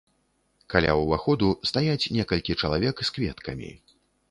Каля ўваходу стаяць некалькі чалавек з кветкамі.